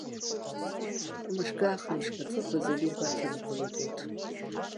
Мышкы-ахымшк аҵыхәа зегьы ирбарҭан иҟалоит урҭ.